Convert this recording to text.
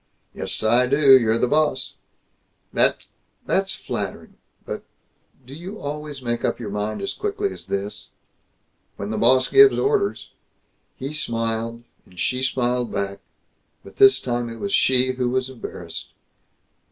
"Yes. I do. You're the boss." "That's that's flattering, but Do you always make up your mind as quickly as this?" "When the boss gives orders!" He smiled, and she smiled back, but this time it was she who was embarrassed.